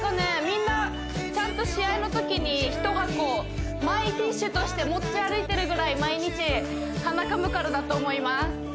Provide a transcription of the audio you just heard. みんなちゃんと試合のときに１箱Ｍｙティッシュとして持ち歩いてるぐらい毎日鼻かむからだと思います